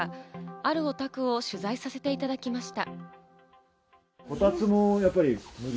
あるお宅を取材させていただきました。